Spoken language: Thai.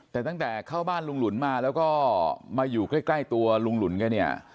แต่ตั้งแต่เข้าบ้านลุงหลุนมาแล้วก็มาอยู่ใกล้ตัวลุงหลุนแกเนี่ย